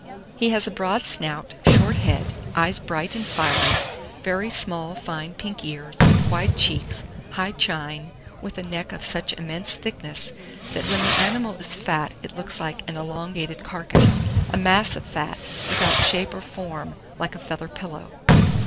He has a broad snout, short head, eyes bright and fiery, very small fine pink ears, wide cheeks, high chine, with a neck of such immense thickness, that when the animal is fat it looks like an elongated carcase, a mass of fat, without shape or form, like a feather pillow.